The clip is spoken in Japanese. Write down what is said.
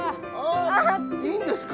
いいんですか？